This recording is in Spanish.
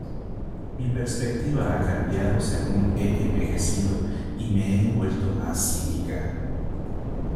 Mi perspectiva ha cambiado según he envejecido y me he vuelto más cínica.